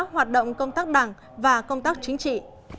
hoạt động công tác đảng và công tác chính trị